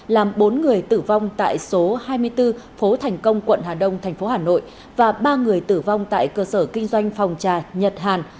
làm bốn người tử vong tại số hai mươi bốn phố thành công quận hà đông tp hà nội và ba người tử vong tại cơ sở kinh doanh phòng trà nhật hàn